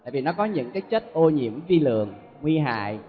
vì nó có những chất ô nhiễm vi lượng nguy hại